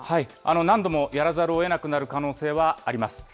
何度もやらざるをえなくなる可能性はあります。